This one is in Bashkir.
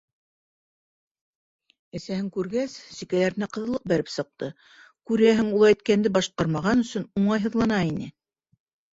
Әсәһен күргәс, сикәләренә ҡыҙыллыҡ бәреп сыҡты, күрәһең, ул әйткәнде башҡармаған өсөн уңайһыҙлана ине.